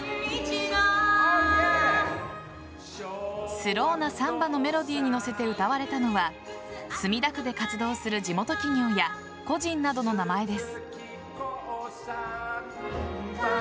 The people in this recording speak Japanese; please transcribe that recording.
スローなサンバのメロディーに乗せて歌われたのは墨田区で活動する地元企業や個人などの名前です。